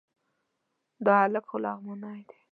دا هلک خو لغمانی دی...